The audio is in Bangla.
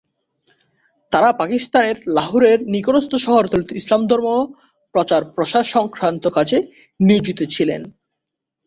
তারা পাকিস্তানের লাহোরের নিকটস্থ শহরতলীতে ইসলাম ধর্ম প্রচার প্রসার সংক্রান্ত কাজে নিয়োজিত ছিলেন।